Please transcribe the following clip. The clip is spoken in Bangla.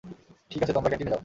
ঠিক আছে তোমরা ক্যান্টিনে যাও।